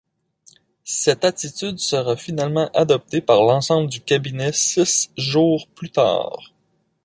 Cette attitude sera finalement adoptée par l'ensemble du cabinet six jours plus tard.